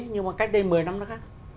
nhưng mà cách đây một mươi năm nó khác